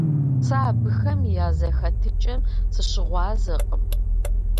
Сэ абыхэм я зэхэтыкӀэм сыщыгъуазэкъым.